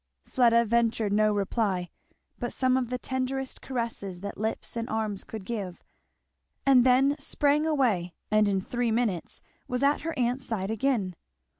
Fleda ventured no reply but some of the tenderest caresses that lips and arms could give; and then sprang away and in three minutes was at her aunt's side again.